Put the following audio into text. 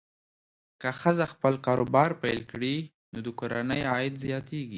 که ښځه خپل کاروبار پیل کړي، نو د کورنۍ عاید زیاتېږي.